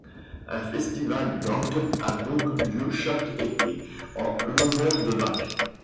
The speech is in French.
Un festival d'orgue a donc lieu chaque été en l'honneur de Bach.